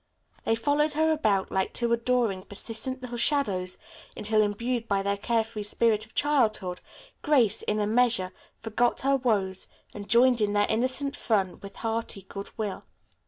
They followed her about like two adoring, persistent little shadows, until imbued with their carefree spirit of childhood, Grace, in a measure, forgot her woes and joined in their innocent fun with hearty good will.